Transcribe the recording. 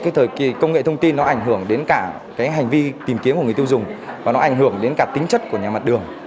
cái thời kỳ công nghệ thông tin nó ảnh hưởng đến cả cái hành vi tìm kiếm của người tiêu dùng và nó ảnh hưởng đến cả tính chất của nhà mặt đường